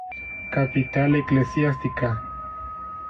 Capital Eclesiástica.